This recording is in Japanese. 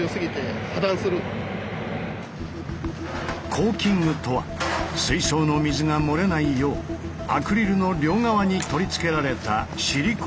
「コーキング」とは水槽の水が漏れないようアクリルの両側に取り付けられたシリコーンのこと。